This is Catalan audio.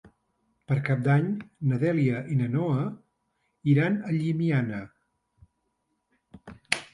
Per Cap d'Any na Dèlia i na Noa iran a Llimiana.